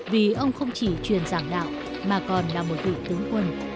vì ông không chỉ truyền giảng đạo mà còn là một vị tướng quân